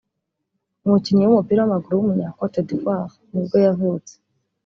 umukinnyi w’umupira w’amaguru w’umunya-Cote D’ivoire nibwo yavutse